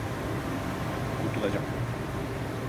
Kurtulacak.